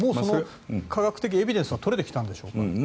その科学的エビデンスは取れてきたんでしょうか？